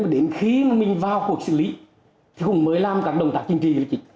đến khi mình vào cuộc xử lý thì cũng mới làm các động tác chính trị